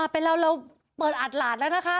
เป็นเราเราเปิดอัดหลาดแล้วนะคะ